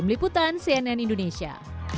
tim liputan cnn indonesia